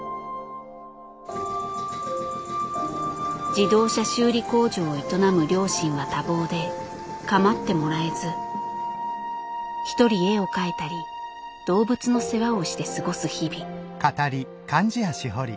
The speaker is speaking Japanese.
自動車修理工場を営む両親は多忙でかまってもらえず一人絵を描いたり動物の世話をして過ごす日々。